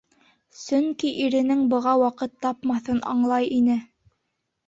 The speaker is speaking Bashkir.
Сөнки иренең быға ваҡыт тапмаҫын аңлай ине.